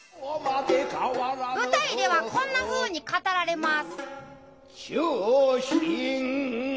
舞台ではこんなふうに語られます。